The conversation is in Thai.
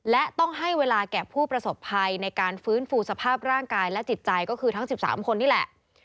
และต้องให้เวลาแก่ผู้ประสบภัยในการฟื้นฟูสภาพร่างกายและจิตใจก็คือทั้ง๑๓คนนี่แหละ